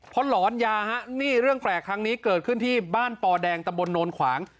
เพราะหลอนยาฮะนี่เรื่องแปลกครั้งนี้เกิดขึ้นที่บ้านปอแดงตำบลโนนขวาง